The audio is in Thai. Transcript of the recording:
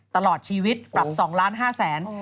ตลอดชีวิตปรับ๒๕๐๐๐๐๐บาท